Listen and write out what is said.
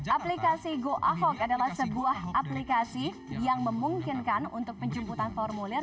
aplikasi go ahok adalah sebuah aplikasi yang memungkinkan untuk penjemputan formulir